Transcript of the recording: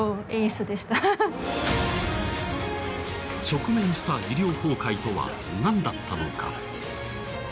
直面した医療崩壊とは何だったのか。